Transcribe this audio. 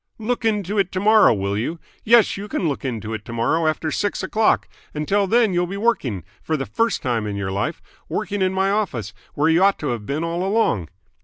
Look into it tomorrow, will you? Yes, you can look into it to morrow after six o'clock! Until then you'll be working for the first time in your life working in my office, where you ought to have been all along."